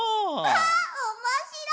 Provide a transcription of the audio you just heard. ああ。